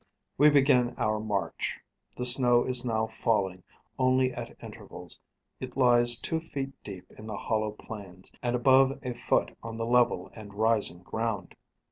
We begin our march: the snow is now falling only at intervals; it lies two feet deep in the hollow plains, and above a foot on the level and rising ground.